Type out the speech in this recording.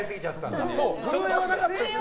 震えはなかったですね。